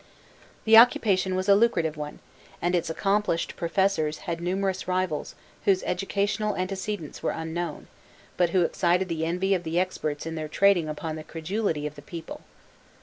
The occupation was a lucrative one, and its accomplished professors had numerous rivals whose educational antecedents were unknown, but who excited the envy of the experts in their trading upon the credulity of the people.